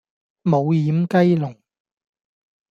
冇厴雞籠